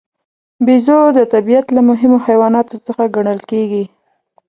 بیزو د طبیعت له مهمو حیواناتو څخه ګڼل کېږي.